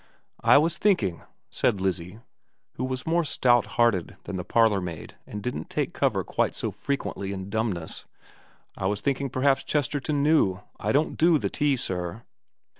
* I was thinking,' said Lizzie, who was more stout hearted than the parlourmaid and didn't take cover quite so frequently in dumbness, ' I was thinking p'raps Chesterton knew. I don't do the tea, sir.'